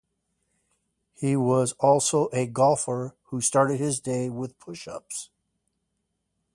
He was also a golfer who started his day with push ups.